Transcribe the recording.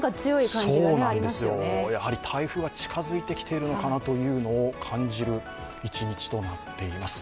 そうなんですよ、やはり台風が近づいてきているのかというのを感じる一日になっています。